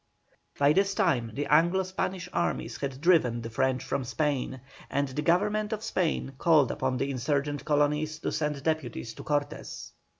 By this time the Anglo Spanish armies had driven the French from Spain, and the Government of Spain called upon the insurgent colonies to send deputies to Cortes.